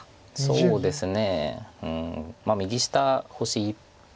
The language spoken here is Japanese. そうですね。